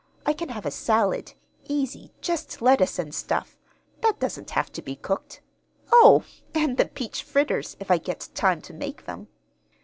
I can have a salad, easy just lettuce and stuff. That doesn't have to be cooked. Oh, and the peach fritters, if I get time to make them.